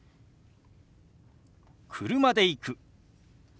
「車で行く」。